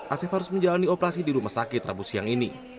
asef harus menjalani operasi di rumah sakit rabu siang ini